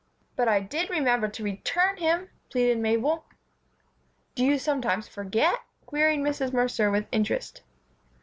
"But I did remember to return him," pleaded Mabel. "Do you sometimes forget?" queried Mrs. Mercer, with interest.